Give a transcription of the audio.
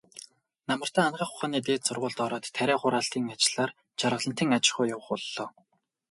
Намартаа Анагаах ухааны дээд сургуульд ороод, тариа хураалтын ажлаар Жаргалантын аж ахуйд явах боллоо.